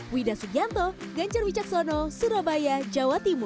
widah sugianto ganjar wijaksono surabaya jawa timur